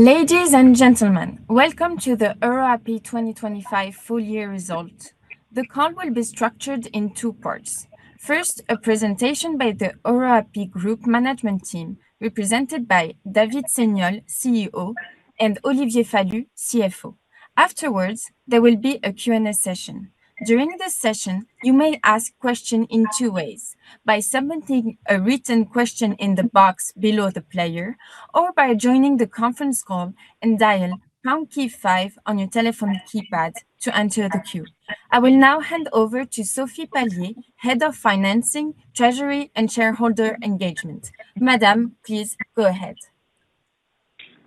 Ladies and gentlemen, welcome to the Euroapi 2025 full year result. The call will be structured in two parts. First, a presentation by the Euroapi Group management team, represented by David Seignolle, CEO, and Olivier Falut, CFO. Afterwards, there will be a Q&A session. During this session, you may ask question in two ways: by submitting a written question in the box below the player, or by joining the conference call and dial pound key five on your telephone keypad to enter the queue. I will now hand over to Sophie Palliez, Head of Financing, Treasury, and Shareholder Engagement. Madame, please go ahead.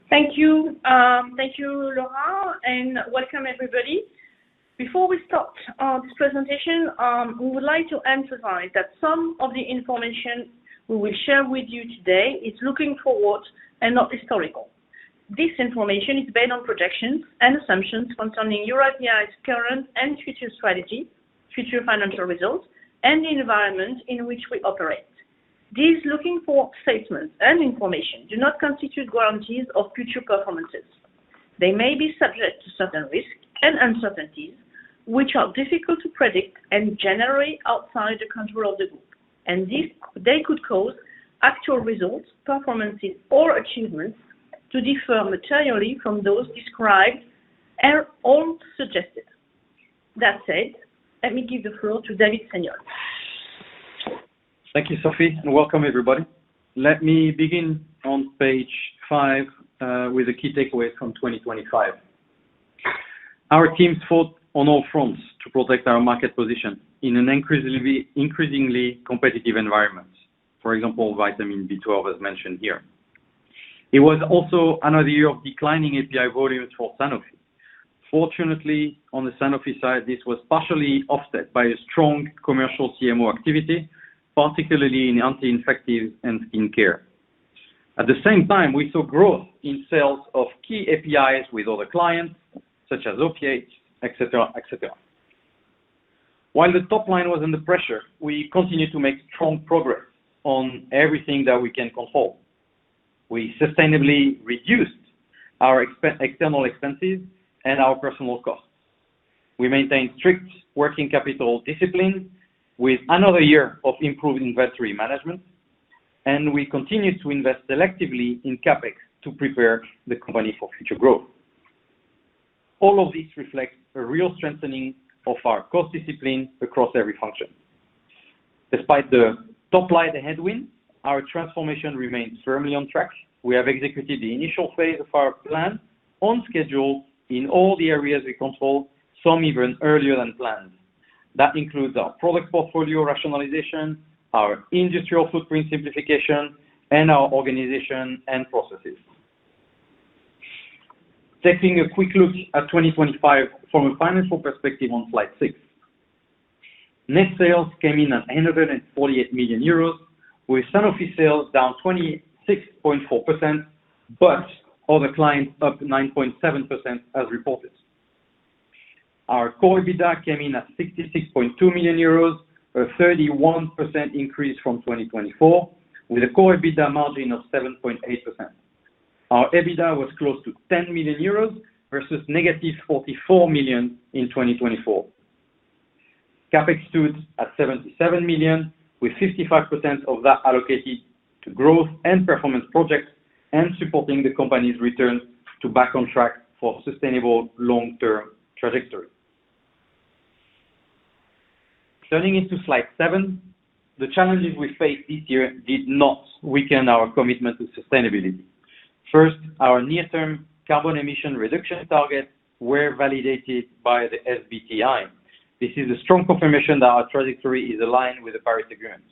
Thank you. Thank you, Laura, and welcome everybody. Before we start this presentation, we would like to emphasize that some of the information we will share with you today is looking forward and not historical. This information is based on projections and assumptions concerning Euroapi's current and future strategy, future financial results, and the environment in which we operate. These looking forward statements and information do not constitute guarantees of future performances. They may be subject to certain risks and uncertainties which are difficult to predict and generally outside the control of the group. They could cause actual results, performances or achievements to differ materially from those described or suggested. That said, let me give the floor to David Seignolle. Thank you, Sophie, and welcome everybody. Let me begin on Page 5 with the key takeaways from 2025. Our teams fought on all fronts to protect our market position in an increasingly competitive environment. For example, Vitamin B12 as mentioned here. It was also another year of declining API volumes for Sanofi. Fortunately, on the Sanofi side, this was partially offset by a strong commercial CMO activity, particularly in anti-infective and skin care. At the same time, we saw growth in sales of key APIs with other clients, such as opiates, et cetera, et cetera. While the top line was under pressure, we continued to make strong progress on everything that we can control. We sustainably reduced our external expenses and our personal costs. We maintained strict working capital discipline with another year of improved inventory management. We continued to invest selectively in CapEx to prepare the company for future growth. All of this reflects a real strengthening of our cost discipline across every function. Despite the top line headwind, our transformation remains firmly on track. We have executed the initial phase of our plan on schedule in all the areas we control, some even earlier than planned. That includes our product portfolio rationalization, our industrial footprint simplification, and our organization and processes. Taking a quick look at 2025 from a financial perspective on Slide 6. Net sales came in at 848 million euros with Sanofi sales down 26.4%. Other clients up 9.7% as reported. Our core EBITDA came in at 66.2 million euros, a 31% increase from 2024, with a core EBITDA margin of 7.8%. Our EBITDA was close to 10 million euros versus -44 million in 2024. CapEx stood at 77 million, with 55% of that allocated to growth and performance projects and supporting the company's return to back on track for sustainable long-term trajectory. Turning into Slide 7, the challenges we faced this year did not weaken our commitment to sustainability. First, our near-term carbon emission reduction targets were validated by the SBTi. This is a strong confirmation that our trajectory is aligned with the Paris Agreement.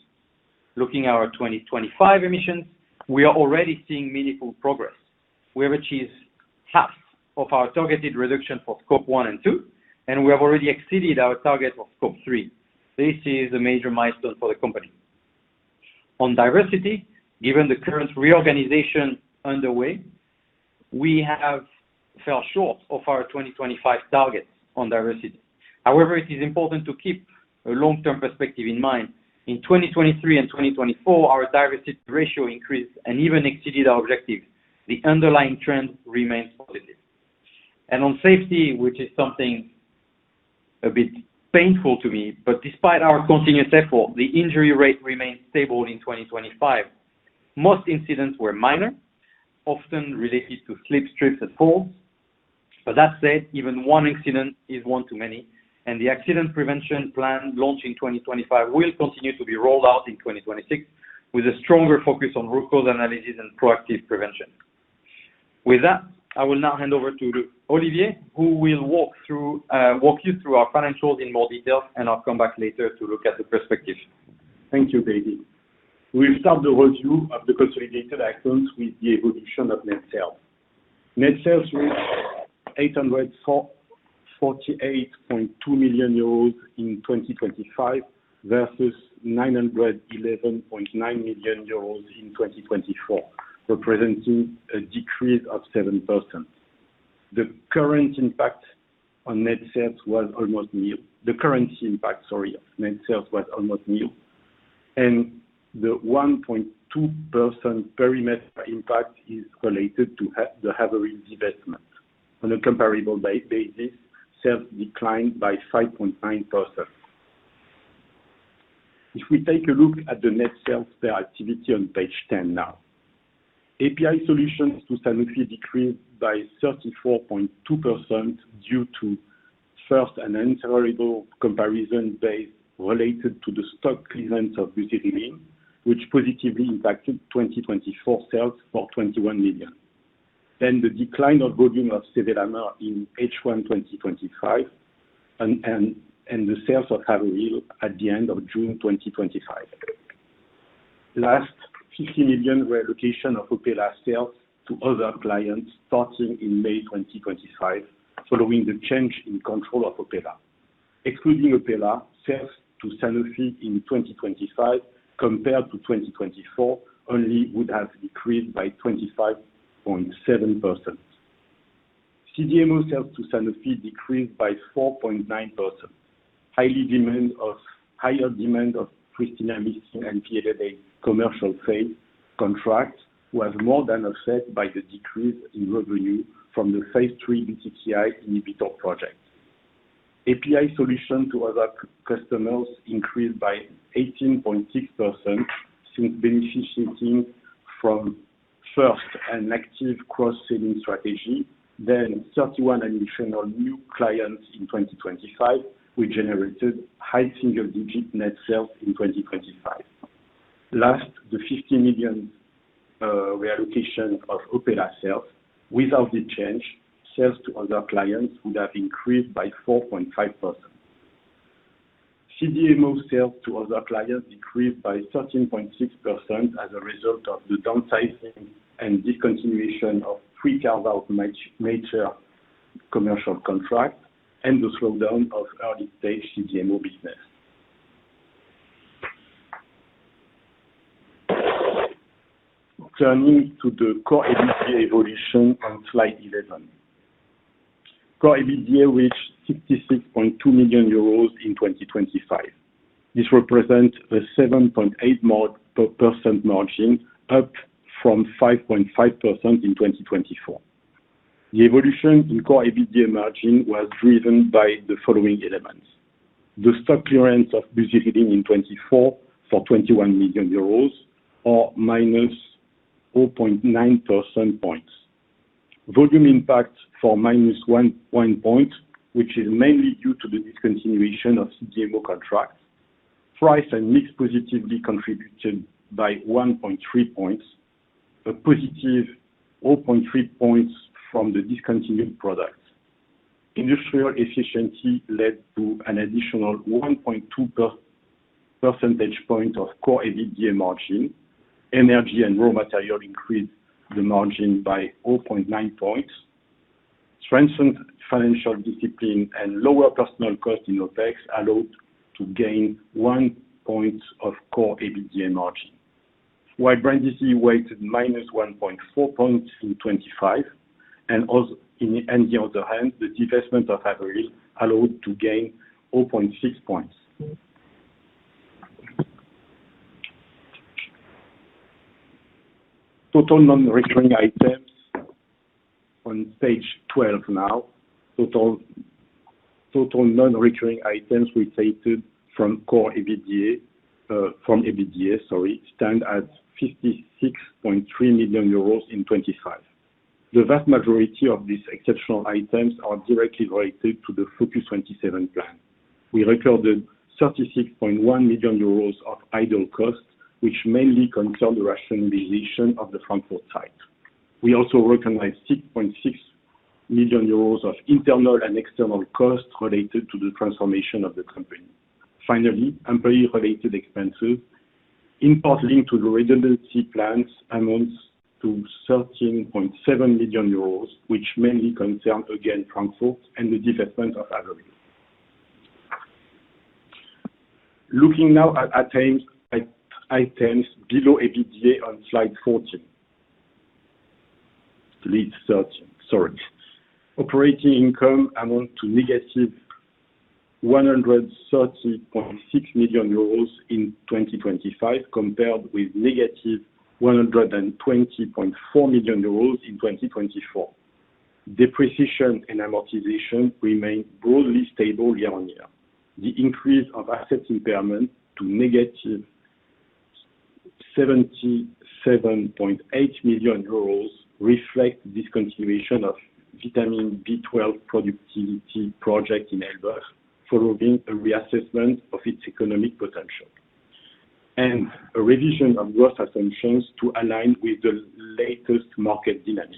Looking at our 2025 emissions, we are already seeing meaningful progress. We have achieved half of our targeted reduction for Scope 1 and 2, and we have already exceeded our target of Scope 3. This is a major milestone for the company. On diversity, given the current reorganization underway, we have fell short of our 2025 targets on diversity. However, it is important to keep a long-term perspective in mind. In 2023 and 2024, our diversity ratio increased and even exceeded our objectives. The underlying trend remains positive. On safety, which is something a bit painful to me, but despite our continuous effort, the injury rate remained stable in 2025. Most incidents were minor, often related to slip, trips and falls. That said, even one incident is one too many, and the accident prevention plan launched in 2025 will continue to be rolled out in 2026 with a stronger focus on root cause analysis and proactive prevention. With that, I will now hand over to Olivier, who will walk you through our financials in more detail, and I'll come back later to look at the perspective. Thank you, David. We'll start the review of the consolidated items with the evolution of net sales. Net sales reached 848.2 million euros in 2025 versus 911.9 million euros in 2024, representing a decrease of 7%. The current impact on net sales was almost nil. The currency impact, sorry, of net sales was almost nil, and the 1.2% perimeter impact is related to the Haverhill divestment. On a comparable basis, sales declined by 5.9%. We take a look at the net sales per activity on Page 10 now. API solutions to Sanofi decreased by 34.2% due to, first, an intolerable comparison base related to the stock clearance of Buserelin, which positively impacted 2024 sales for 21 million. The decline of volume of Sevelamer in H1 2025 and the sales of Haverhill at the end of June 2025. Last, 50 million reallocation of Opella sales to other clients starting in May 2025, following the change in control of Opella. Excluding Opella, sales to Sanofi in 2025 compared to 2024 only would have decreased by 25.7%. CDMO sales to Sanofi decreased by 4.9%. Higher demand of Pristinamycin and PLA commercial sale contracts was more than offset by the decrease in revenue from the phase 3 BTK inhibitor project. API solution to other customers increased by 18.6% since beneficial from, first, an active cross-selling strategy, then 31 additional new clients in 2025 which generated high single-digit net sales in 2025. Last, the 50 million reallocation of Opella sales. Without the change, sales to other clients would have increased by 4.5%. CDMO sales to other clients decreased by 13.6% as a result of the downsizing and discontinuation of three carve-out major commercial contracts and the slowdown of early stage CDMO business. Turning to the core EBITDA evolution on slide 11. Core EBITDA reached 66.2 million euros in 2025. This represent a 7.8% margin, up from 5.5% in 2024. The evolution in core EBITDA margin was driven by the following elements. The stock clearance of Buserelin in 2024 for 21 million euros or -4.9 percentage points. Volume impact for -1.0 percentage points, which is mainly due to the discontinuation of CDMO contracts. Price and mix positively contributed by 1.3 points, a positive 0.3 points from the discontinued products. Industrial efficiency led to an additional 1.2 percentage points of core EBITDA margin. Energy and raw material increased the margin by 0.9 points. Strengthened financial discipline and lower personal cost in OpEx allowed to gain 1 point of core EBITDA margin. While Brindisi weighted -1.4 points in 2025, and on the other hand, the divestment of Haverhill allowed to gain 0.6 points. Total non-recurring items on Page 12 now. Total non-recurring items related from core EBITDA, from EBITDA, sorry, stand at 56.3 million euros in 2025. The vast majority of these exceptional items are directly related to the FOCUS-27 plan. We recorded 36.1 million euros of idle costs, which mainly concern the rationalization of the Frankfurt site. We also recognized 6.6 million euros of internal and external costs related to the transformation of the company. Employee-related expenses in part linked to the redundancy plans amounts to 13.7 million euros, which mainly concern again Frankfurt and the divestment of Haverhill. Looking now at items below EBITDA on slide 14. Please, sorry. Operating income amount to negative 130.6 million euros in 2025 compared with negative 120.4 million euros in 2025. Depreciation and amortization remain broadly stable year-on-year. The increase of assets impairment to negative 77.8 million euros reflect discontinuation of Vitamin B12 productivity project in Elbeuf, following a reassessment of its economic potential, and a revision of growth assumptions to align with the latest market dynamics.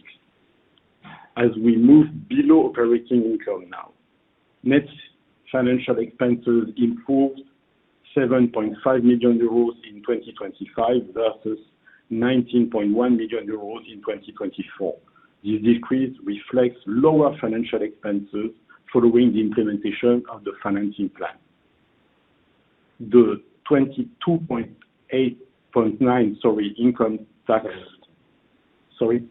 As we move below operating income now, net financial expenses improved 7.5 million euros in 2025 versus 19.1 million euros in 2024. This decrease reflects lower financial expenses following the implementation of the financing plan. The 22.8.9, sorry, income tax. Sorry,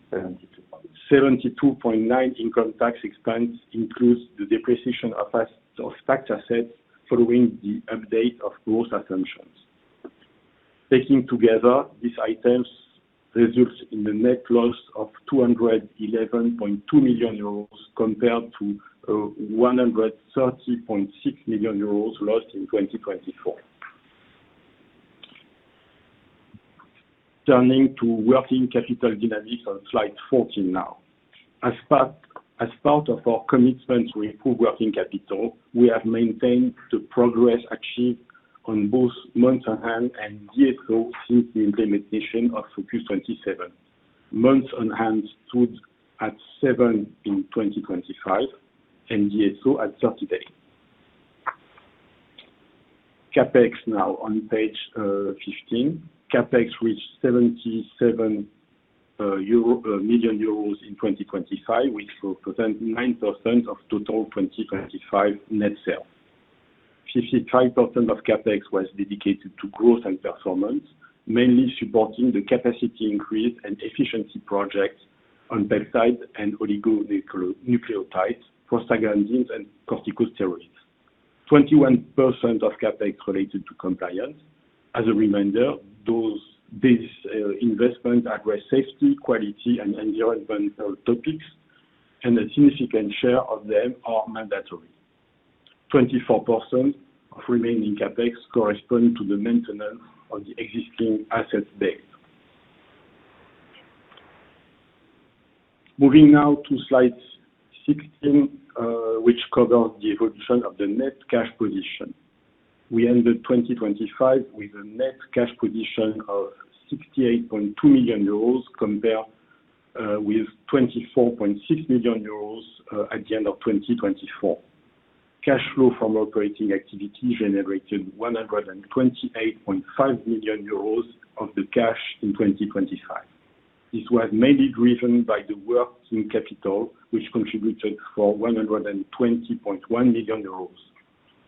72.9 income tax expense includes the depreciation of assets, of factor assets following the update of growth assumptions. Taking together these items results in the net loss of 211.2 million euros compared to 130.6 million euros lost in 2024. Turning to working capital dynamics on slide 14 now. As part of our commitment to improve working capital, we have maintained the progress achieved on both months on hand and DSO since the implementation of FOCUS-27. Months on hand stood at 7 in 2025 and DSO at 30 days. CapEx now on Sage 15. CapEx reached 77 million euro in 2025, which represent 9% of total 2025 net sales. 55% of CapEx was dedicated to growth and performance, mainly supporting the capacity increase and efficiency projects on peptide and oligonucleotides, prostaglandins and corticosteroids. 21% of CapEx related to compliance. As a reminder, these investment address safety, quality and environmental topics, and a significant share of them are mandatory. 24% of remaining CapEx correspond to the maintenance of the existing assets base. Moving now to Slide 16, which covers the evolution of the net cash position. We ended 2025 with a net cash position of 68.2 million euros, compared with 24.6 million euros at the end of 2024. Cash flow from operating activity generated 128.5 million euros of the cash in 2025. This was mainly driven by the working capital, which contributed for 120.1 million euros.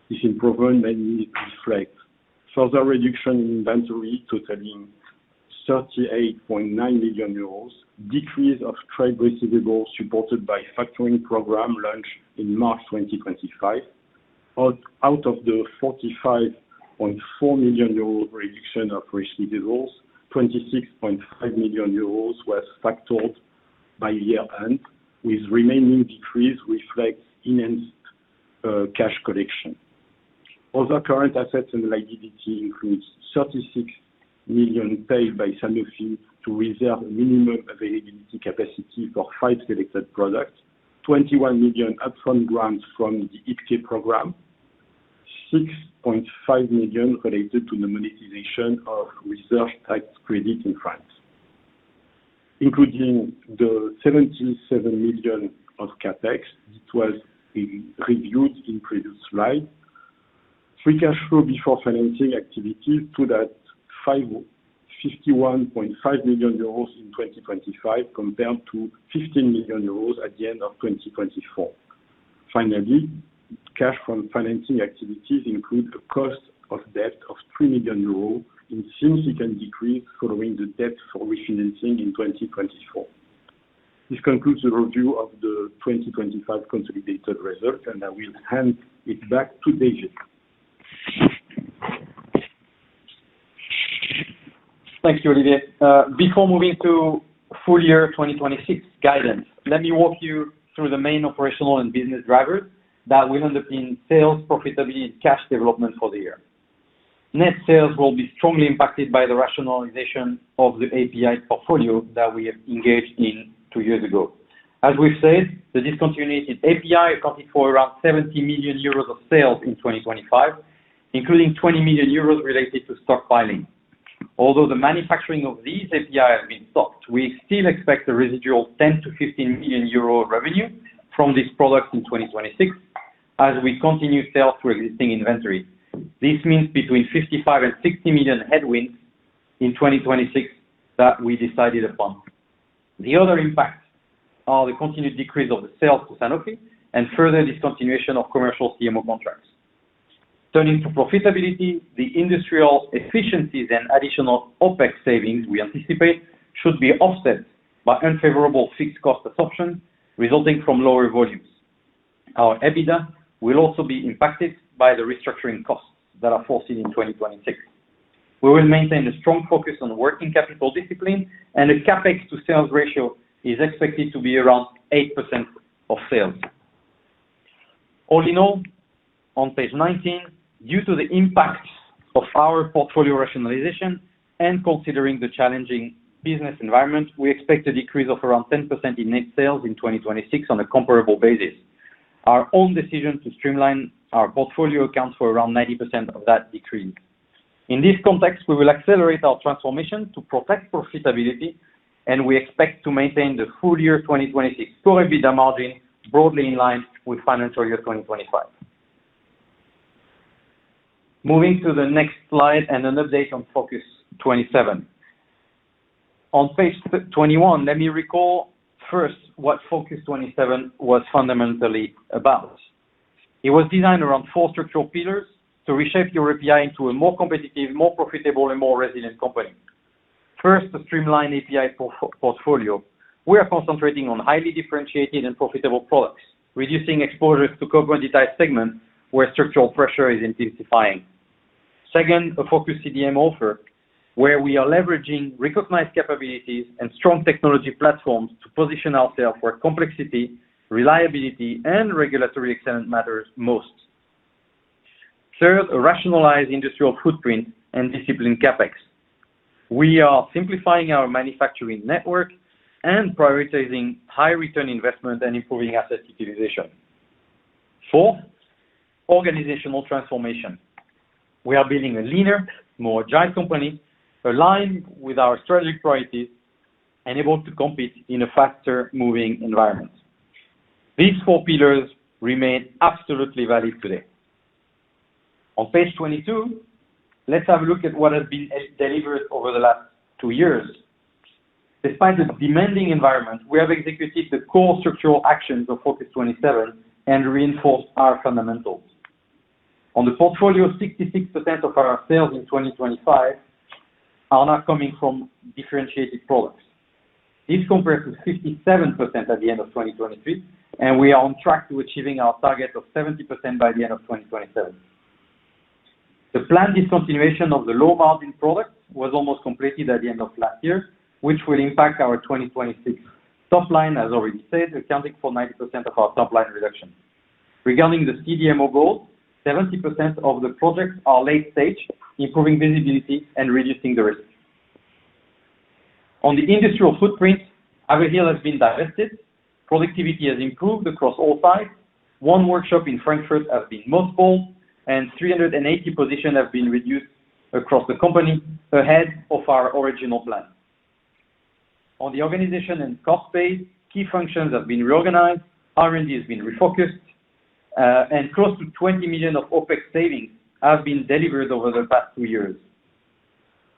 This improvement mainly reflects further reduction in inventory totaling 38.9 million euros. Decrease of trade receivables supported by factoring program launched in March 2025. Out of the 45.4 million euro reduction of receivables, 26.5 million euros were factored by year-end, with remaining decrease reflects enhanced cash collection. Other current assets and liabilities includes 36 million paid by Sanofi to reserve minimum availability capacity for five selected products. 21 million upfront grants from the IPCEI program. 6.5 million related to the monetization of research tax credit in France. Including the 77 million of CapEx that was re-reviewed in previous slide. Free cash flow before financing activity stood at 51.5 million euros in 2025 compared to 15 million euros at the end of 2024. Finally, cash from financing activities include the cost of debt of 3 million euros in significant decrease following the debt refinancing in 2024. This concludes the review of the 2025 consolidated results, and I will hand it back to David. Thanks, Olivier. Before moving to full year 2026 guidance, let me walk you through the main operational and business drivers that will underpin sales profitability and cash development for the year. Net sales will be strongly impacted by the rationalization of the API portfolio that we have engaged in two years ago. As we've said, the discontinued API accounted for around 70 million euros of sales in 2025, including 20 million euros related to stockpiling. Although the manufacturing of these API has been stopped, we still expect a residual 10 million-15 million euro revenue from this product in 2026 as we continue sales through existing inventory. This means between 55 million and 60 million headwinds in 2026 that we decided upon. The other impacts are the continued decrease of the sales to Sanofi and further discontinuation of commercial CMO contracts. Turning to profitability, the industrial efficiencies and additional OpEx savings we anticipate should be offset by unfavorable fixed cost absorption resulting from lower volumes. Our EBITDA will also be impacted by the restructuring costs that are foreseen in 2026. We will maintain a strong focus on working capital discipline and a CapEx to sales ratio is expected to be around 8% of sales. All in all, on Page 19, due to the impacts of our portfolio rationalization and considering the challenging business environment, we expect a decrease of around 10% in net sales in 2026 on a comparable basis. Our own decision to streamline our portfolio accounts for around 90% of that decrease. In this context, we will accelerate our transformation to protect profitability, and we expect to maintain the full year 2026 core EBITDA margin broadly in line with financial year 2025. Moving to the next slide and an update on FOCUS-27. On Page 21, let me recall first what FOCUS-27 was fundamentally about. It was designed around four structural pillars to reshape Euroapi into a more competitive, more profitable, and more resilient company. First, a streamlined API portfolio. We are concentrating on highly differentiated and profitable products, reducing exposure to commoditized segments where structural pressure is intensifying. Second, a focused CDM offer where we are leveraging recognized capabilities and strong technology platforms to position ourselves where complexity, reliability, and regulatory excellence matters most. Third, a rationalized industrial footprint and disciplined CapEx. We are simplifying our manufacturing network and prioritizing high return investment and improving asset utilization. Four, organizational transformation. We are building a leaner, more agile company aligned with our strategic priorities and able to compete in a faster-moving environment. These four pillars remain absolutely valid today. On Page 22, let's have a look at what has been delivered over the last two years. Despite the demanding environment, we have executed the core structural actions of FOCUS-27 and reinforced our fundamentals. On the portfolio, 66% of our sales in 2025 are now coming from differentiated products. This compares with 57% at the end of 2023, and we are on track to achieving our target of 70% by the end of 2027. The planned discontinuation of the low-margin products was almost completed at the end of last year, which will impact our 2026 top line, as already said, accounting for 90% of our top-line reduction. Regarding the CDMO goals, 70% of the projects are late stage, improving visibility and reducing the risk. On the industrial footprint, Haverhill has been divested, productivity has improved across all sites. One workshop in Frankfurt has been mothballed, and 380 positions have been reduced across the company ahead of our original plan. On the organization and cost base, key functions have been reorganized, R&D has been refocused, and close to 20 million of OpEx savings have been delivered over the past two years.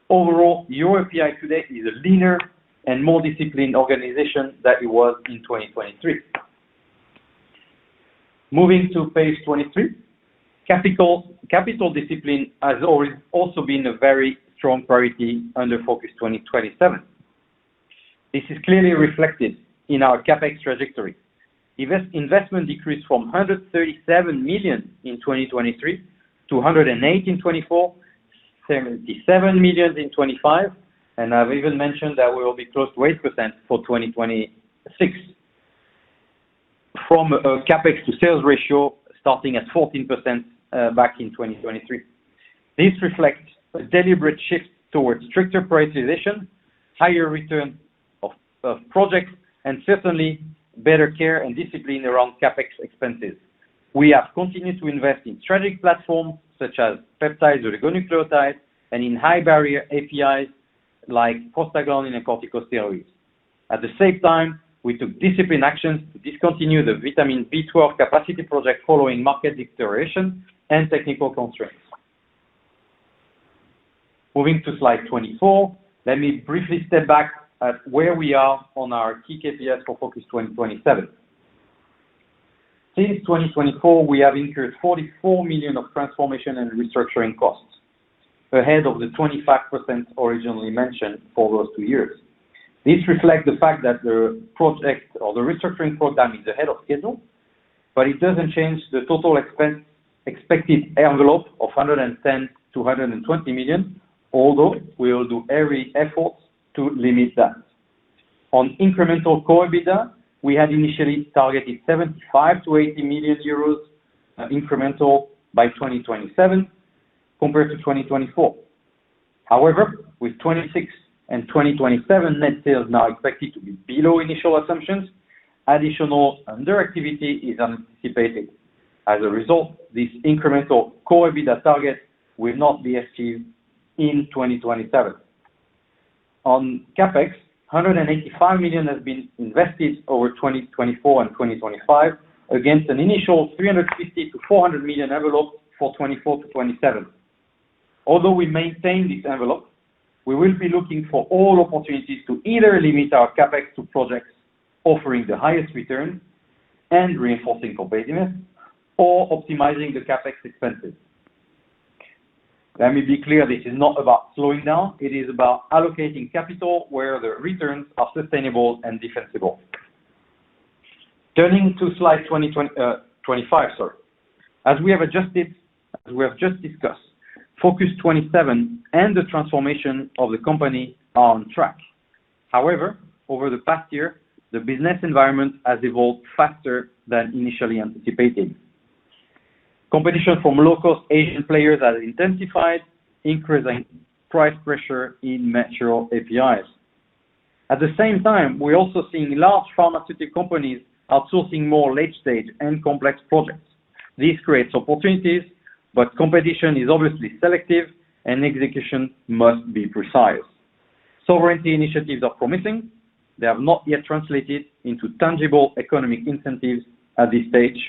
Overall, Euroapi today is a leaner and more disciplined organization than it was in 2023. Moving to Page 23. Capital discipline has also been a very strong priority under FOCUS-27. This is clearly reflected in our CapEx trajectory. Investment decreased from 137 million in 2023 to 108 in 2024, 77 million in 2025, and I've even mentioned that we will be close to 8% for 2026. From a CapEx to sales ratio starting at 14%, back in 2023. This reflects a deliberate shift towards stricter prioritization, higher return of projects, and certainly better care and discipline around CapEx expenses. We have continued to invest in strategic platforms such as peptides or oligonucleotides, and in high barrier APIs like prostaglandin and corticosteroids. At the same time, we took disciplined actions to discontinue the Vitamin B12 capacity project following market deterioration and technical constraints. Moving to slide 24, let me briefly step back at where we are on our key KPIs for FOCUS-27. Since 2024, we have incurred 44 million of transformation and restructuring costs ahead of the 25% originally mentioned for those two years. This reflects the fact that the project or the restructuring program is ahead of schedule, but it doesn't change the total expense expected envelope of 110 million-120 million, although we will do every effort to limit that. On incremental core EBITDA, we had initially targeted 75 million-80 million euros, incremental by 2027 compared to 2024. With 2026 and 2027 net sales now expected to be below initial assumptions, additional under activity is anticipated. This incremental core EBITDA target will not be achieved in 2027. On CapEx, 185 million has been invested over 2024 and 2025 against an initial 350 million-400 million envelope for 2024-2027. Although we maintain this envelope, we will be looking for all opportunities to either limit our CapEx to projects offering the highest return and reinforcing competitiveness or optimizing the CapEx expenses. Let me be clear, this is not about slowing down. It is about allocating capital where the returns are sustainable and defensible. Turning to Slide 25, sorry. As we have just discussed, FOCUS-27 and the transformation of the company are on track. However, over the past year, the business environment has evolved faster than initially anticipated. Competition from low-cost Asian players has intensified, increasing price pressure in natural APIs. At the same time, we're also seeing large pharmaceutical companies outsourcing more late-stage and complex projects. This creates opportunities, but competition is obviously selective and execution must be precise. Sovereignty initiatives are promising. They have not yet translated into tangible economic incentives at this stage.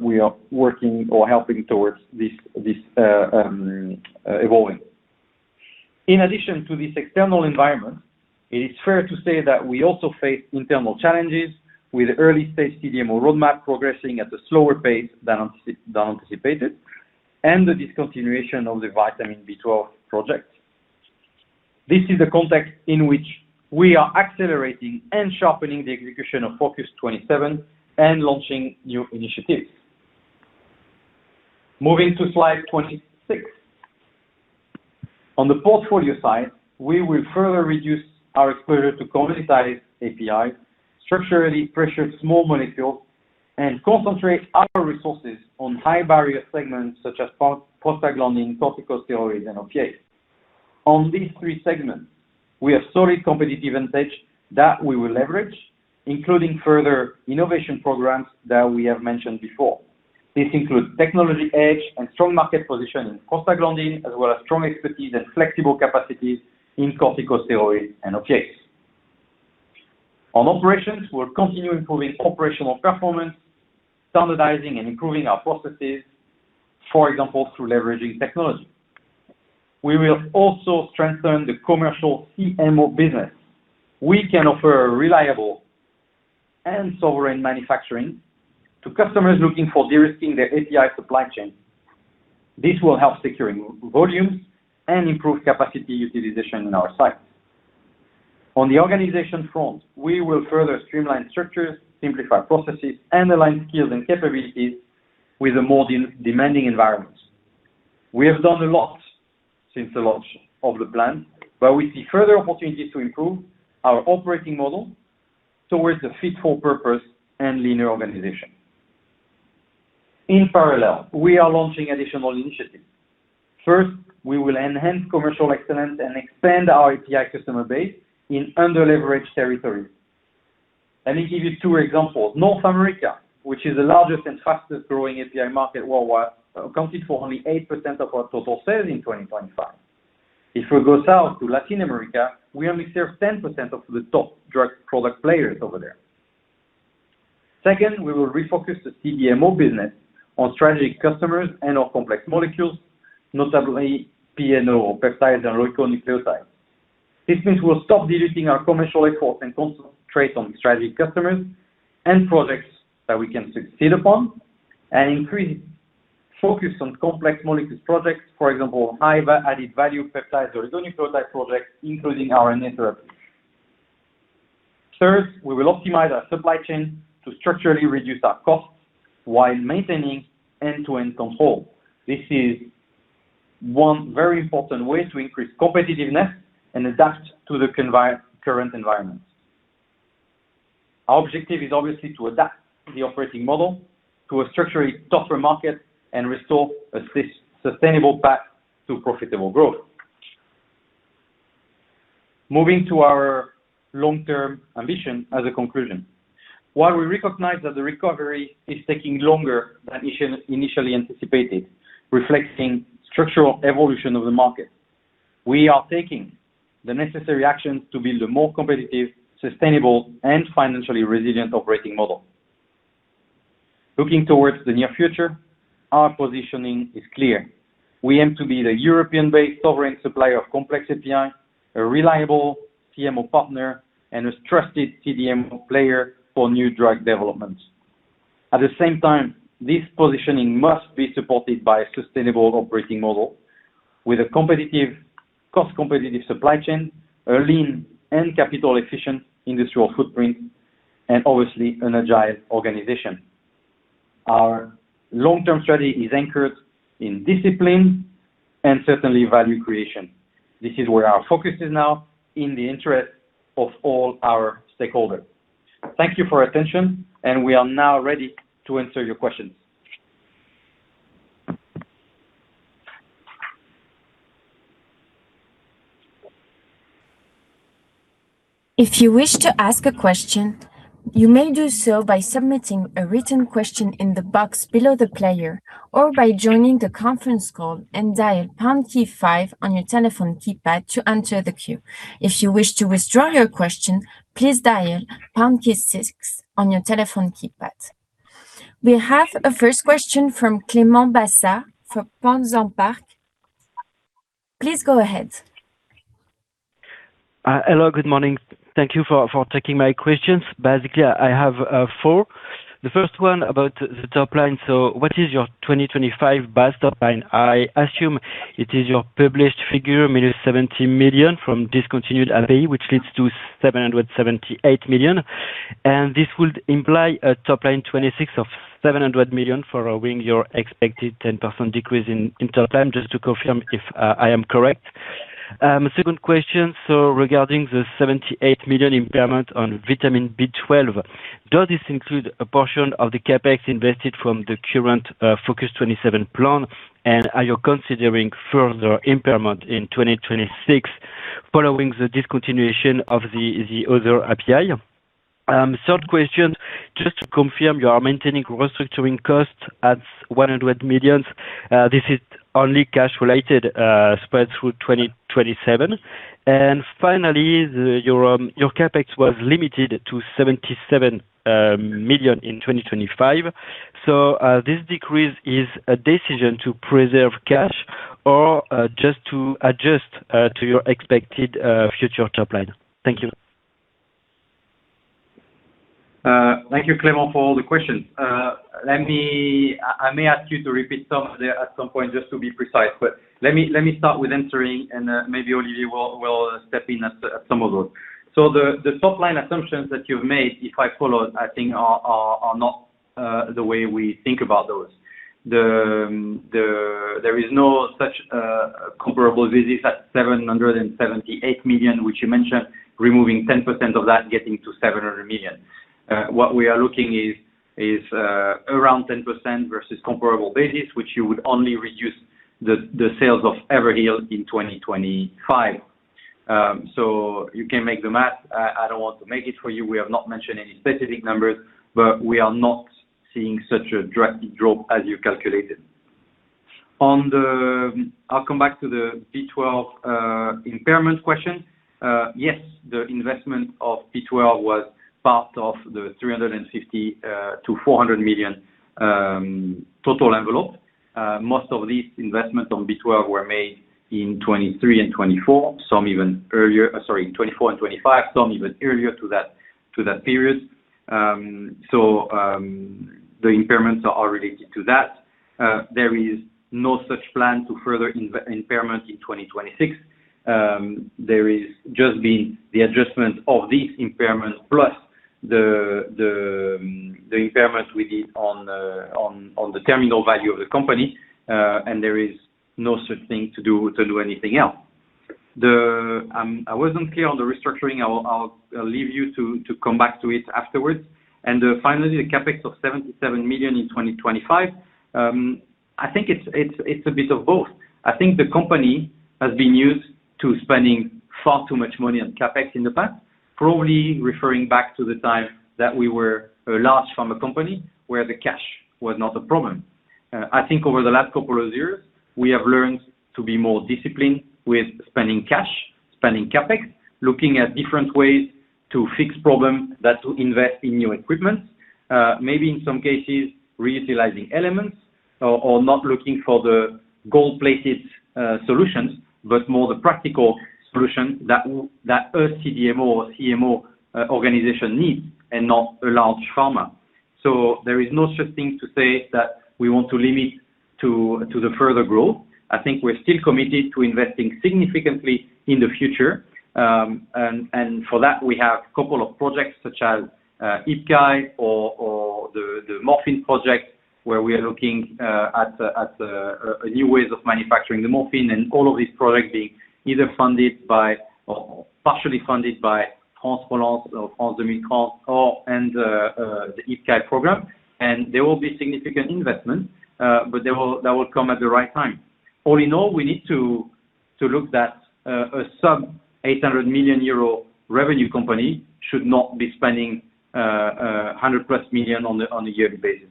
We are working or helping towards this evolving. In addition to this external environment, it is fair to say that we also face internal challenges with early stage CDMO roadmap progressing at a slower pace than anticipated, and the discontinuation of the Vitamin B12 project. This is the context in which we are accelerating and sharpening the execution of FOCUS-27 and launching new initiatives. Moving to slide 26. On the portfolio side, we will further reduce our exposure to commoditized API, structurally pressured small molecules, and concentrate our resources on high-barrier segments such as prostaglandins, corticosteroids, and opiates. On these three segments, we have solid competitive advantage that we will leverage, including further innovation programs that we have mentioned before. This includes technology edge and strong market position in prostaglandin, as well as strong expertise and flexible capacities in corticosteroids and opiates. On operations, we'll continue improving operational performance, standardizing and improving our processes, for example, through leveraging technology. We will also strengthen the commercial CMO business. We can offer reliable and sovereign manufacturing to customers looking for de-risking their API supply chain. This will help securing volumes and improve capacity utilization in our sites. On the organization front, we will further streamline structures, simplify processes, and align skills and capabilities with a more de-demanding environment. We have done a lot since the launch of the plan, we see further opportunities to improve our operating model towards a fit for purpose and linear organization. In parallel, we are launching additional initiatives. First, we will enhance commercial excellence and expand our API customer base in underleveraged territories. Let me give you two examples. North America, which is the largest and fastest-growing API market worldwide, accounted for only 8% of our total sales in 2025. If we go south to Latin America, we only serve 10% of the top drug product players over there. Second, we will refocus the CDMO business on strategic customers and on complex molecules, notably PNO, peptides, and oligonucleotides. This means we'll stop diluting our commercial efforts and concentrate on strategic customers and projects that we can succeed upon, and increase focus on complex molecules projects, for example, high added value peptides or oligonucleotide projects, including RNA therapies. Third, we will optimize our supply chain to structurally reduce our costs while maintaining end-to-end control. This is one very important way to increase competitiveness and adapt to the current environment. Our objective is obviously to adapt the operating model to a structurally tougher market and restore a sustainable path to profitable growth. Moving to our long-term ambition as a conclusion. While we recognize that the recovery is taking longer than initially anticipated, reflecting structural evolution of the market, we are taking the necessary actions to build a more competitive, sustainable, and financially resilient operating model. Looking towards the near future, our positioning is clear. We aim to be the European-based sovereign supplier of complex API, a reliable CMO partner, and a trusted CDMO player for new drug developments. At the same time, this positioning must be supported by a sustainable operating model with a cost-competitive supply chain, a lean and capital-efficient industrial footprint, and obviously an agile organization. Our long-term strategy is anchored in discipline and certainly value creation. This is where our focus is now in the interest of all our stakeholders. Thank you for your attention. We are now ready to answer your questions. If you wish to ask a question, you may do so by submitting a written question in the box below the player or by joining the conference call and dial pound key five on your telephone keypad to enter the queue. If you wish to withdraw your question, please dial pound key six on your telephone keypad. We have a first question from Clément Bassat for Portzamparc. Please go ahead. Hello, good morning. Thank you for taking my questions. Basically, I have four. The first one about the top line. What is your 2025 base top line? I assume it is your published figure, minus 70 million from discontinued API, which leads to 778 million. This would imply a top line 2026 of 700 million following your expected 10% decrease in top line. Just to confirm if I am correct. Second question. Regarding the 78 million impairment on Vitamin B12, does this include a portion of the CapEx invested from the current FOCUS-27 plan? Are you considering further impairment in 2026 following the discontinuation of the other API? Third question, just to confirm, you are maintaining restructuring costsadds 100 million. This is only cash related, spread through 2027. Finally, your CapEx was limited to 77 million in 2025. This decrease is a decision to preserve cash or just to adjust to your expected future top line. Thank you. Thank you, Clément, for all the questions. Let me, I may ask you to repeat some of them at some point, just to be precise. Let me, let me start with answering and maybe Olivier will step in at some of those. The top-line assumptions that you've made, if I followed, I think are not the way we think about those. The, there is no such comparable visits at 778 million, which you mentioned, removing 10% of that, getting to 700 million. What we are looking is around 10% versus comparable basis, which you would only reduce the sales of Haverhill in 2025. So you can make on that, I don't want to make it for you. We have not mentioned any specific numbers, but we are not seeing such a drop as you calculated. I'll come back to the B12 impairment question. Yes, the investment of B12 was part of the 350 million-400 million total envelope. Most of these investments on B12 were made in 2023 and 2024. Some even earlier... Sorry, 2024 and 2025. Some even earlier to that, to that period. The impairments are all related to that. There is no such plan to further impairment in 2026. There is just the adjustment of these impairments plus the, the impairment we did on, on the terminal value of the company. There is no such thing to do, to do anything else. The I wasn't clear on the restructuring. I'll leave you to come back to it afterwards. Finally, the CapEx of 77 million in 2025. I think it's a bit of both. I think the company has been used to spending far too much money on CapEx in the past, probably referring back to the time that we were a large pharma company where the cash was not a problem. I think over the last couple of years, we have learned to be more disciplined with spending cash, spending CapEx, looking at different ways to fix problems than to invest in new equipment. Maybe in some cases, reutilizing elements or not looking for the gold-plated solutions, but more the practical solution that a CDMO, CMO organization needs and not a large pharma. There is no such thing to say that we want to limit to the further growth. I think we're still committed to investing significantly in the future. For that, we have a couple of projects such as IPCEI or the morphine project, where we are looking at new ways of manufacturing the morphine and all of these products being either funded by or partially funded by France Relance or France 2030 or the IPCEI program. There will be significant investment that will come at the right time. All in all, we need to look that a sub-EUR 800 million revenue company should not be spending 100+ million on a yearly basis.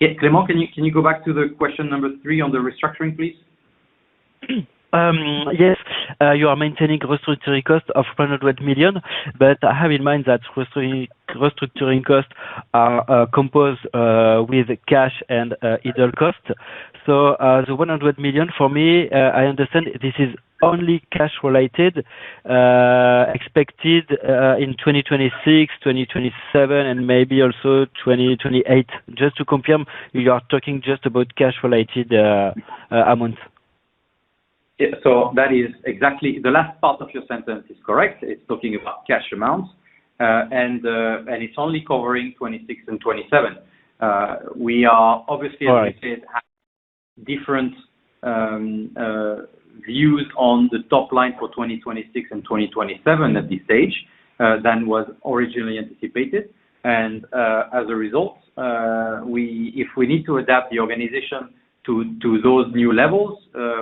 Yes, Clément, can you go back to the question number three on the restructuring, please? Yes. You are maintaining restructuring cost of 100 million, but have in mind that restructuring costs are composed with cash and idle costs. The 100 million for me, I understand this is only cash related, expected in 2026, 2027, and maybe also 2028. Just to confirm, you are talking just about cash related amounts. Yeah. The last part of your sentence is correct. It's talking about cash amounts. It's only covering 2026 and 2027. All right. -looking at different, views on the top line for 2026 and 2027 at this stage, than was originally anticipated. As a result, if we need to adapt the organization to those new levels,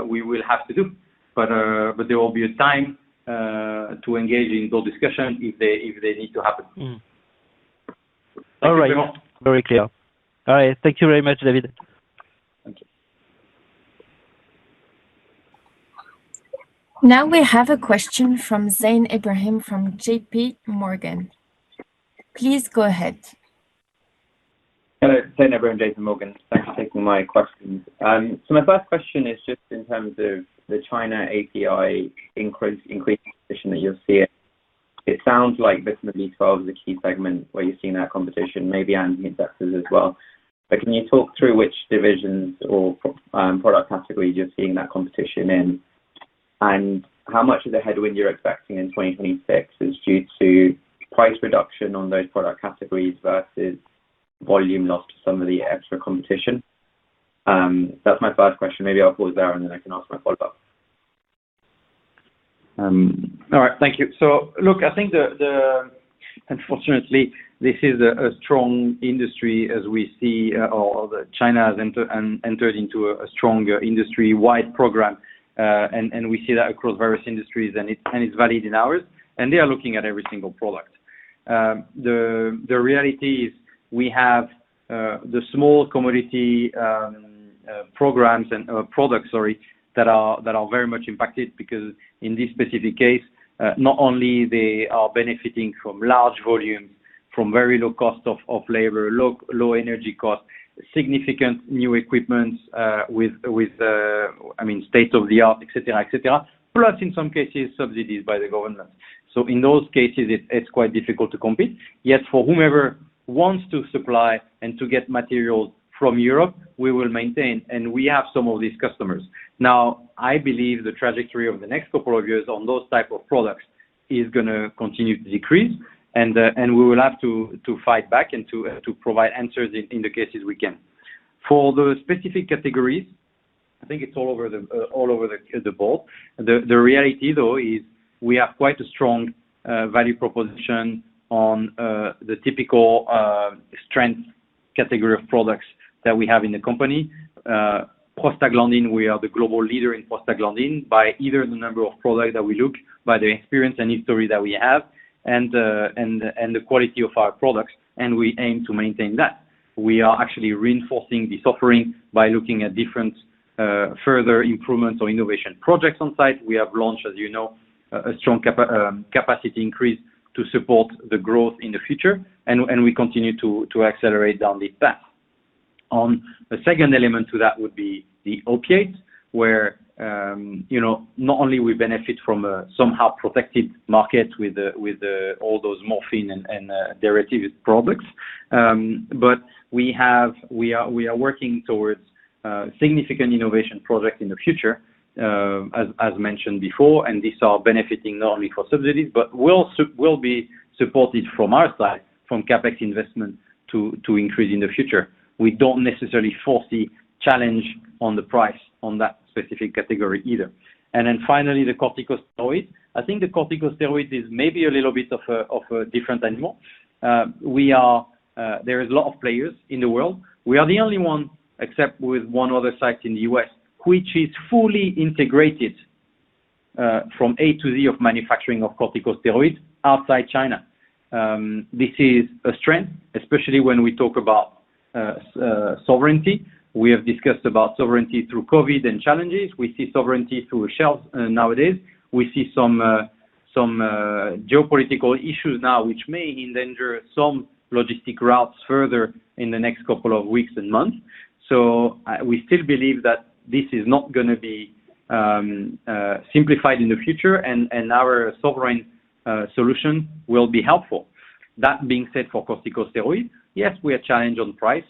we will have to do. There will be a time to engage in those discussions if they need to happen. Mm-hmm. All right. Thank you, Clément. Very clear. All right. Thank you very much, David. Thank you. Now we have a question from Zain Ebrahim from J.P. Morgan. Please go ahead. Hello. Zain Ebrahim, J.P. Morgan. Thanks for taking my questions. My first question is just in terms of the China API increased competition that you're seeing. It sounds like Vitamin B12 is a key segment where you're seeing that competition, maybe anti-infectives as well. Can you talk through which divisions or product categories you're seeing that competition in? How much of the headwind you're expecting in 2026 is due to price reduction on those product categories versus volume lost to some of the extra competition? That's my first question. Maybe I'll pause there. I can ask my follow-up. All right. Thank you. Look, I think unfortunately, this is a strong industry as we see, or China has entered into a stronger industry-wide program. And we see that across various industries, and it's valid in ours, and they are looking at every single product. The reality is we have the small commodity programs and products, sorry, that are very much impacted because in this specific case, not only they are benefiting from large volumes, from very low cost of labor, low energy costs, significant new equipment with, I mean, state-of-the-art, et cetera, plus in some cases, subsidies by the government. In those cases, it's quite difficult to compete. For whomever wants to supply and to get materials from Europe, we will maintain, and we have some of these customers. Now, I believe the trajectory over the next 2 years on those type of products is gonna continue to decrease, and we will have to fight back and to provide answers in the cases we can. For those specific categories, I think it's all over the all over the the ball. The reality, though, is we have quite a strong value proposition on the typical strength category of products that we have in the company. Prostaglandin, we are the global leader in prostaglandin by either the number of products that we look, by the experience and history that we have, and the quality of our products. We aim to maintain that. We are actually reinforcing this offering by looking at different further improvements or innovation projects on site. We have launched, as you know, a strong capacity increase to support the growth in the future and we continue to accelerate down this path. The second element to that would be the opiates, where, you know, not only we benefit from a somehow protected market with all those morphine and derivatives products, we have... We are working towards significant innovation project in the future, as mentioned before, and these are benefiting not only for subsidies, but will be supported from our side, from CapEx investment to increase in the future. We don't necessarily foresee challenge on the price on that specific category either. Finally, the corticosteroids. I think the corticosteroid is maybe a little bit of a different animal. We are, there is a lot of players in the world. We are the only one, except with one other site in the U.S., which is fully integrated from A to Z of manufacturing of corticosteroids outside China. This is a strength, especially when we talk about sovereignty. We have discussed about sovereignty through COVID and challenges. We see sovereignty through shells nowadays. We see some geopolitical issues now which may endanger some logistic routes further in the next couple of weeks and months. We still believe that this is not gonna be simplified in the future and our sovereign solution will be helpful. That being said, for corticosteroids, yes, we are challenged on price.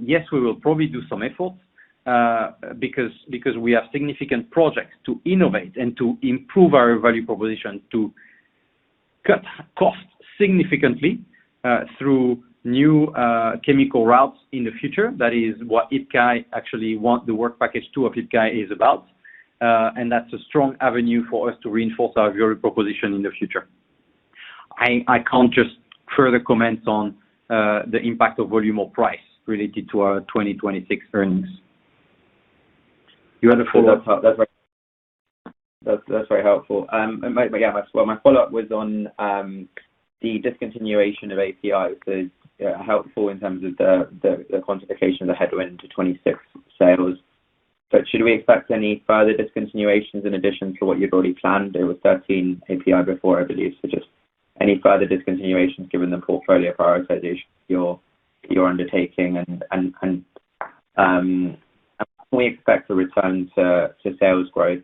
Yes, we will probably do some efforts because we have significant projects to innovate and to improve our value proposition to cut costs significantly through new chemical routes in the future. That is what IPCEI actually want, the work package two of IPCEI is about, and that's a strong avenue for us to reinforce our value proposition in the future. I can't just further comment on the impact of volume or price related to our 2026 earnings. You had a follow-up? That's very helpful. But yeah, my follow-up was on the discontinuation of API, which is helpful in terms of the quantification of the headwind to 2026 sales. Should we expect any further discontinuations in addition to what you'd already planned? There were 13 API before, I believe. Just any further discontinuations given the portfolio prioritization you're undertaking and can we expect a return to sales growth?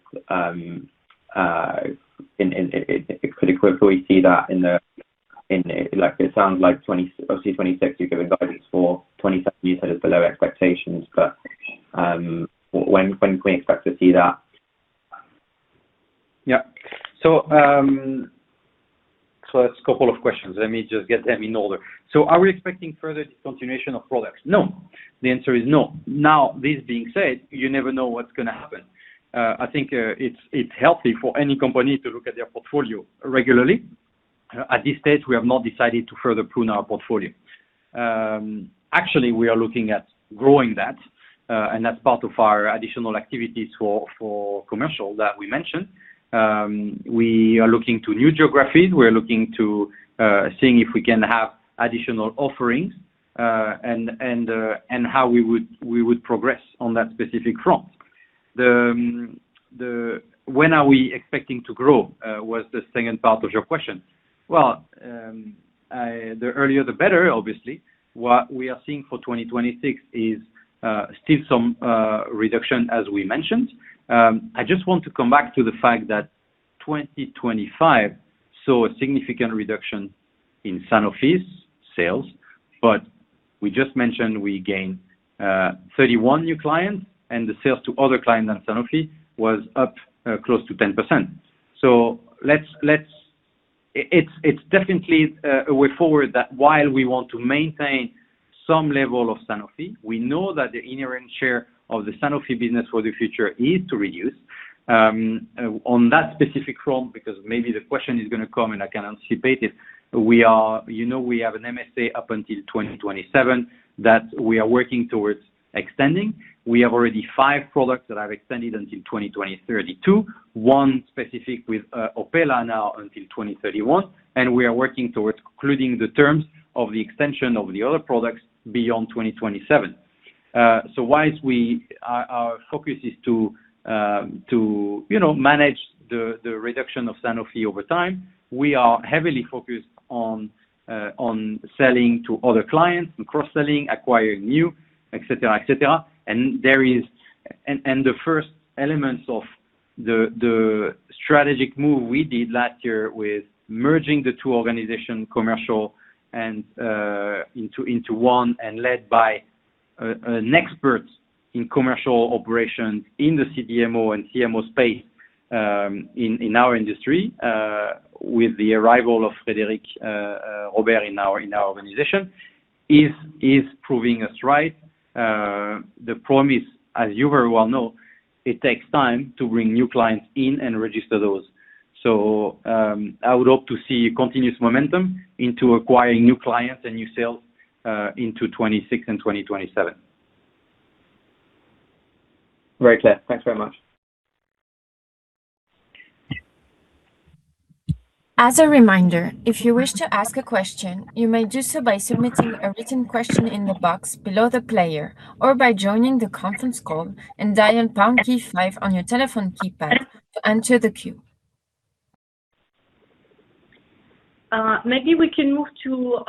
Like, it sounds like obviously, 2026 you're giving guidance for. 2027 you said is below expectations, when can we expect to see that? Yeah. That's a couple of questions. Let me just get them in order. Are we expecting further discontinuation of products? No. The answer is no. Now, this being said, you never know what's gonna happen. I think, it's healthy for any company to look at their portfolio regularly. At this stage, we have not decided to further prune our portfolio. Actually, we are looking at growing that, and that's part of our additional activities for commercial that we mentioned. We are looking to new geographies. We are looking to seeing if we can have additional offerings, and how we would progress on that specific front. The when are we expecting to grow, was the second part of your question. Well, the earlier the better, obviously. What we are seeing for 2026 is still some reduction as we mentioned. I just want to come back to the fact that 2025 saw a significant reduction in Sanofi's sales. We just mentioned we gained 31 new clients and the sales to other clients than Sanofi was up close to 10%. It's definitely a way forward that while we want to maintain some level of Sanofi, we know that the inherent share of the Sanofi business for the future is to reduce. On that specific front, because maybe the question is gonna come and I can anticipate it, we are, you know, we have an MSA up until 2027 that we are working towards extending. We have already five products that are extended until 2032. One specific with Opella now until 2031. We are working towards concluding the terms of the extension of the other products beyond 2027. Whilst we, our focus is to, you know, manage the reduction of Sanofi over time, we are heavily focused on selling to other clients and cross-selling, acquiring new, et cetera, et cetera. The first elements of the strategic move we did last year with merging the two organization commercial and into one and led by an expert in commercial operations in the CDMO and CMO space in our industry with the arrival of Frédéric Robert in our organization is proving us right. The problem is, as you very well know, it takes time to bring new clients in and register those. I would hope to see continuous momentum into acquiring new clients and new sales, into 2026 and 2027. Very clear. Thanks very much. As a reminder, if you wish to ask a question, you may do so by submitting a written question in the box below the player or by joining the conference call and dial pound key five on your telephone keypad to enter the queue. Maybe we can move to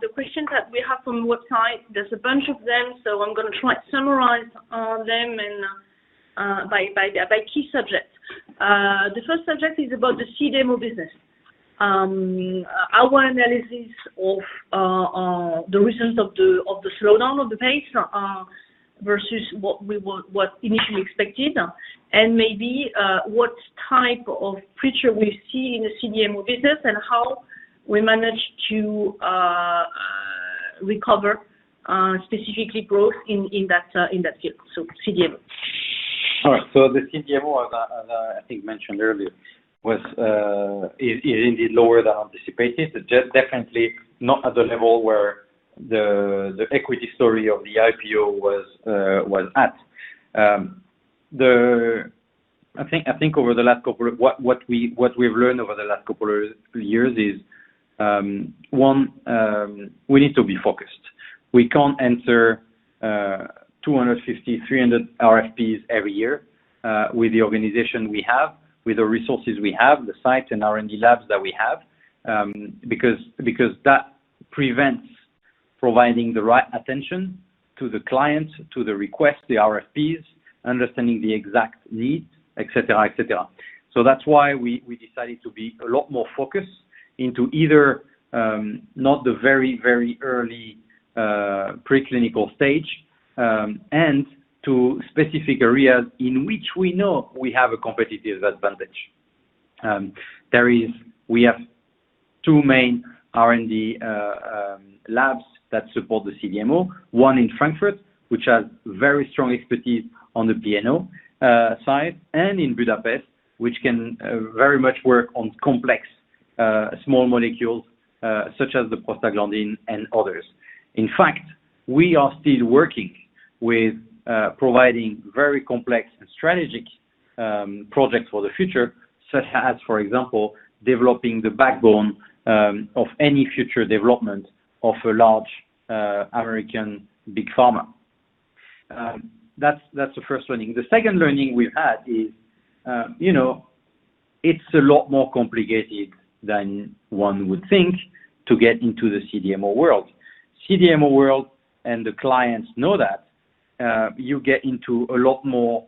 the questions that we have from the website. There's a bunch of them, so I'm gonna try to summarize them and by key subjects. The first subject is about the CDMO business. Our analysis of the reasons of the slowdown of the pace versus what initially expected, and maybe what type of future we see in the CDMO business and how we manage to recover specifically growth in that in that field. CDMO. All right. The CDMO, as I think mentioned earlier, was, is indeed lower than anticipated. Definitely not at the level where the equity story of the IPO was at. I think over the last couple of what we've learned over the last couple of years is, one, we need to be focused. We can't answer 250, 300 RFPs every year, with the organization we have, with the resources we have, the sites and R&D labs that we have, because that prevents providing the right attention to the clients, to the requests, the RFPs, understanding the exact needs, et cetera, et cetera. That's why we decided to be a lot more focused into either, not the very early preclinical stage, and to specific areas in which we know we have a competitive advantage. There is. We have two main R&D labs that support the CDMO, one in Frankfurt, which has very strong expertise on the BNO side, and in Budapest, which can very much work on complex small molecules, such as the prostaglandin and others. In fact, we are still working with providing very complex and strategic projects for the future, such as, for example, developing the backbone of any future development of a large American Big Pharma. That's the first learning. The second learning we had is, you know, it's a lot more complicated than one would think to get into the CDMO world. CDMO world. The clients know that, you get into a lot more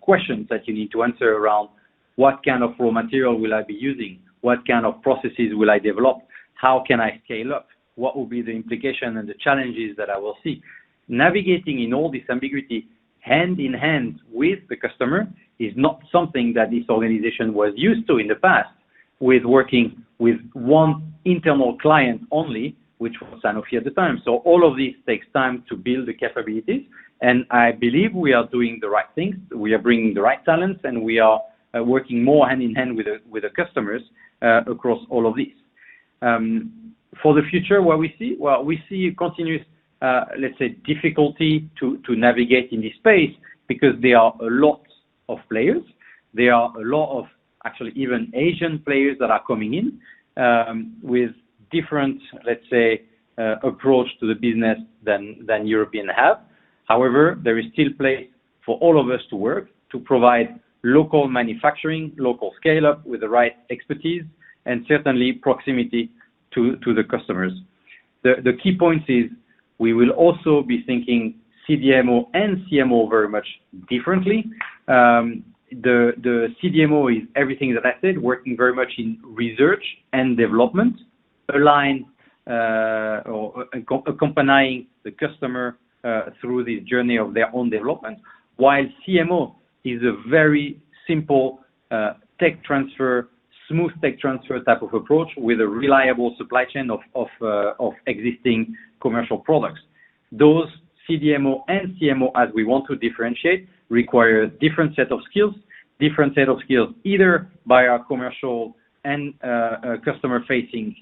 questions that you need to answer around what kind of raw material will I be using? What kind of processes will I develop? How can I scale up? What will be the implication and the challenges that I will see? Navigating in all this ambiguity hand in hand with the customer is not something that this organization was used to in the past with working with one internal client only, which was Sanofi at the time. All of this takes time to build the capabilities, and I believe we are doing the right things. We are bringing the right talents, and we are working more hand in hand with the customers across all of this. For the future, what we see? Well, we see continuous, let's say, difficulty to navigate in this space because there are a lot of players. There are a lot of actually even Asian players that are coming in with different, let's say, approach to the business than European have. However, there is still place for all of us to work to provide local manufacturing, local scale-up with the right expertise, and certainly proximity to the customers. The key point is we will also be thinking CDMO and CMO very much differently. The CDMO is everything that I said, working very much in research and development, align, or accompanying the customer, through the journey of their own development. While CMO is a very simple, tech transfer, smooth tech transfer type of approach with a reliable supply chain of existing commercial products. Those CDMO and CMO, as we want to differentiate, require different set of skills. Different set of skills either by our commercial and customer-facing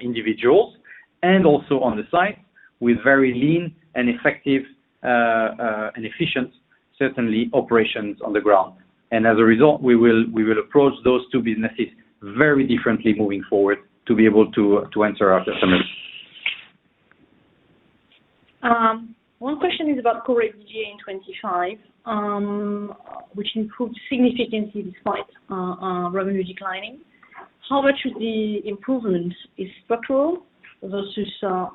individuals, and also on the side with very lean and effective and efficient certainly operations on the ground. As a result, we will approach those two businesses very differently moving forward to be able to answer our customers. One question is about core EBITDA in 2025, which improved significantly despite revenue declining. How much of the improvement is structural versus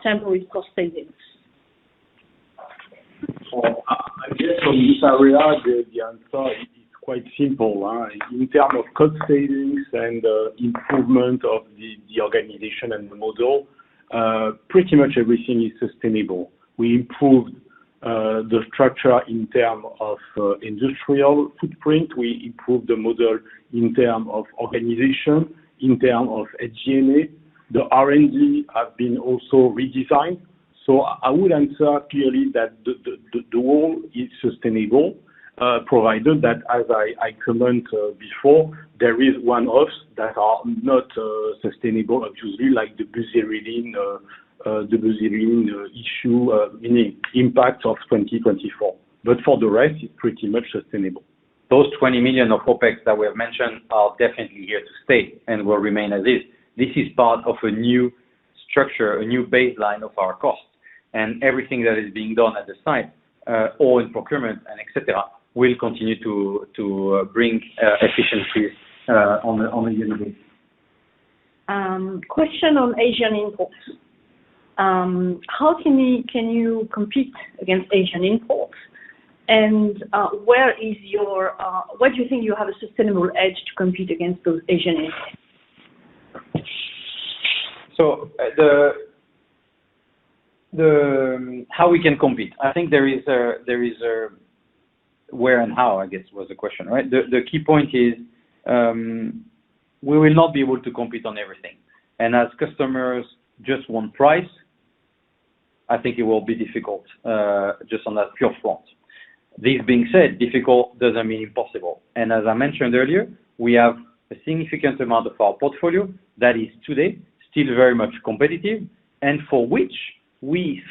temporary cost savings? I guess from this area, the answer is quite simple, right? In term of cost savings and improvement of the organization and the model, pretty much everything is sustainable. We improved the structure in term of industrial footprint. We improved the model in term of organization, in term of SG&A. The R&D have been also redesigned. I would answer clearly that the whole is sustainable, provided that, as I comment before, there is one-offs that are not sustainable obviously like the Buserelin, the Buserelin issue, meaning impact of 2024. For the rest, it's pretty much sustainable. Those 20 million of OpEx that we have mentioned are definitely here to stay and will remain as is. This is part of a new structure, a new baseline of our costs. Everything that is being done at the site, or in procurement and et cetera, will continue to bring efficiency on a yearly basis. Question on Asian imports. How can you compete against Asian imports? Where is your, where do you think you have a sustainable edge to compete against those Asian imports? The, the... How we can compete? I think there is a, there is a where and how, I guess, was the question, right? The, the key point is, we will not be able to compete on everything. As customers just want price, I think it will be difficult, just on that pure front. This being said, difficult doesn't mean impossible. As I mentioned earlier, we have a significant amount of our portfolio that is today still very much competitive and for which we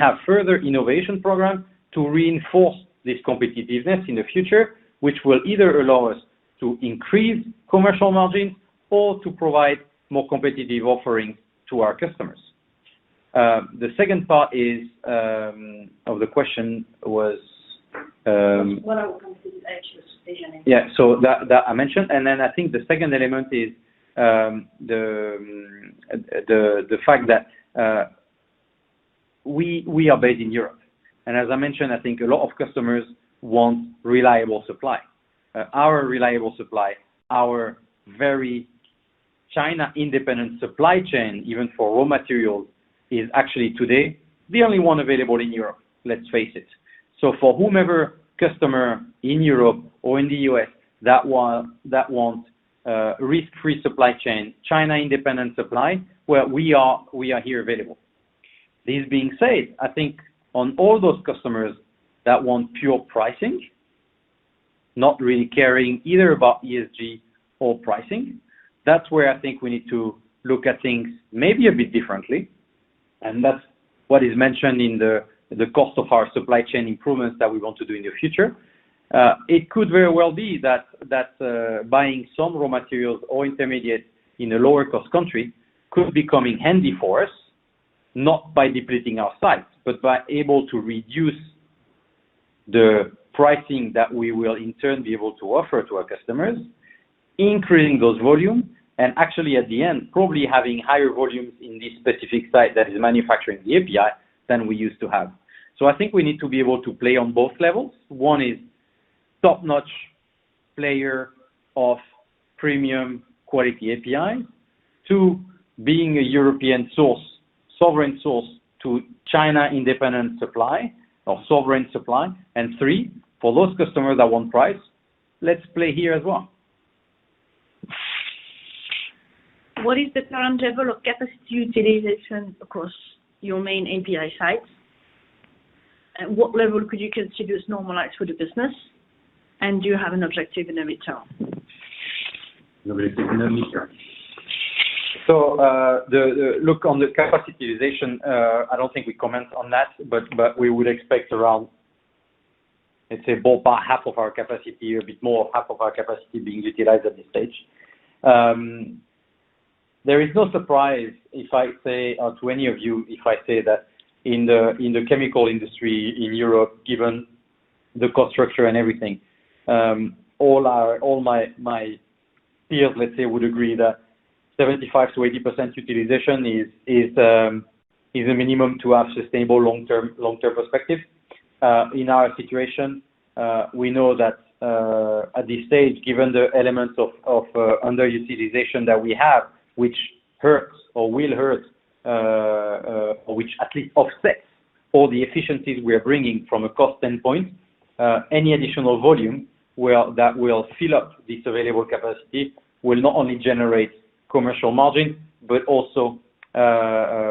have further innovation programs to reinforce this competitiveness in the future, which will either allow us to increase commercial margin or to provide more competitive offerings to our customers. The second part is, of the question was. What are your competitive edges decisioning? Yeah. That I mentioned. I think the second element is the fact that we are based in Europe. As I mentioned, I think a lot of customers want reliable supply. Our reliable supply, our very China-independent supply chain, even for raw materials, is actually today the only one available in Europe. Let's face it. For whomever customer in Europe or in the U.S. that want a risk-free supply chain, China-independent supply, well, we are here available. This being said, I think on all those customers that want pure pricing, not really caring either about ESG or pricing, that's where I think we need to look at things maybe a bit differently. That's what is mentioned in the cost of our supply chain improvements that we want to do in the future. It could very well be that buying some raw materials or intermediate in a lower cost country could be coming handy for us, not by depleting our sites, but by able to reduce the pricing that we will in turn be able to offer to our customers, increasing those volume, and actually at the end, probably having higher volumes in this specific site that is manufacturing the API than we used to have. I think we need to be able to play on both levels. One is top-notch player of premium quality API. Two, being a European source, sovereign source to China independent supply or sovereign supply. Three, for those customers that want price, let's play here as well. What is the current level of capacity utilization across your main API sites? What level could you consider as normalized for the business? Do you have an objective in the midterm? Objective in the midterm. The look on the capacity utilization, I don't think we comment on that, but we would expect around, let's say, about half of our capacity or a bit more half of our capacity being utilized at this stage. There is no surprise if I say to any of you, if I say that in the chemical industry in Europe, given the cost structure and everything, all our, all my peers, let's say, would agree that 75%-80% utilization is a minimum to have sustainable long-term perspective. In our situation, we know that, at this stage, given the elements of, underutilization that we have, which hurts or will hurt, or which at least offsets all the efficiencies we are bringing from a cost standpoint, any additional volume that will fill up this available capacity will not only generate commercial margin, but also,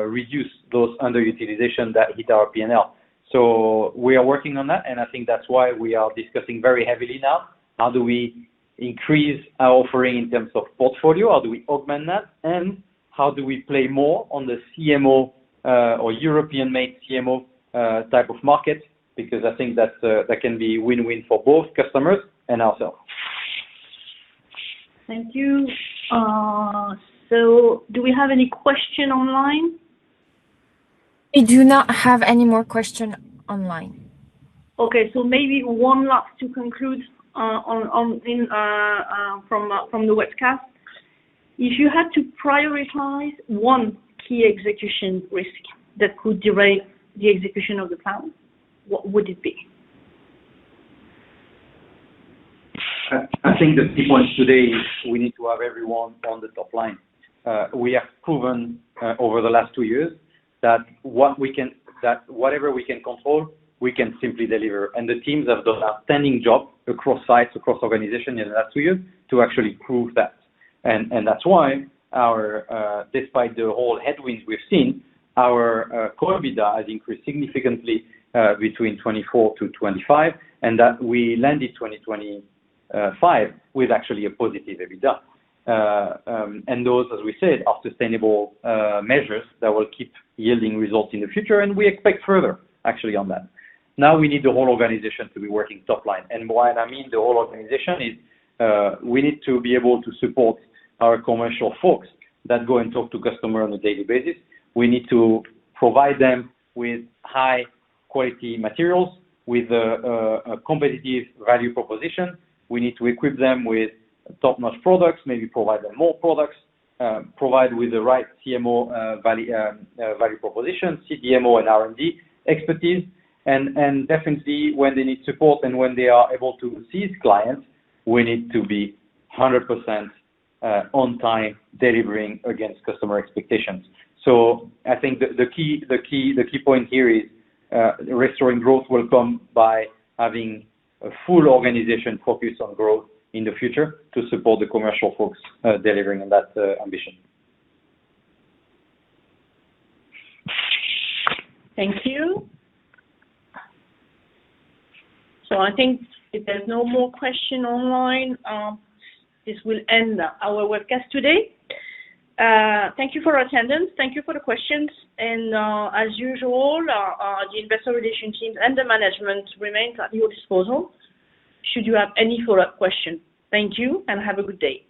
reduce those underutilization that hit our P&L. We are working on that, and I think that's why we are discussing very heavily now how do we increase our offering in terms of portfolio, how do we augment that, and how do we play more on the CMO, or European-made CMO, type of market, because I think that's, that can be win-win for both customers and ourselves. Thank you. Do we have any question online? I do not have any more question online. Okay. Maybe one last to conclude on from the webcast. If you had to prioritize one key execution risk that could derail the execution of the plan, what would it be? I think the key point today is we need to have everyone on the top line. We have proven over the last two years that whatever we can control, we can simply deliver. The teams have done outstanding job across sites, across organization in the last two years to actually prove that. That's why our, despite the whole headwinds we've seen, our core EBITDA has increased significantly between 2024-2025, and that we landed 2025 with actually a positive EBITDA. Those, as we said, are sustainable measures that will keep yielding results in the future, and we expect further actually on that. Now we need the whole organization to be working top line. What I mean the whole organization is, we need to be able to support our commercial folks that go and talk to customer on a daily basis. We need to provide them with high quality materials, with a competitive value proposition. We need to equip them with top-notch products, maybe provide them more products, provide with the right CMO value proposition, CDMO and R&D expertise. Definitely when they need support and when they are able to seize clients, we need to be 100% on time delivering against customer expectations. I think the key point here is, restoring growth will come by having a full organization focused on growth in the future to support the commercial folks, delivering on that ambition. Thank you. I think if there's no more question online, this will end our webcast today. Thank you for attendance. Thank you for the questions. As usual, our the Investor Relations teams and the management remains at your disposal should you have any follow-up question. Thank you, and have a good day.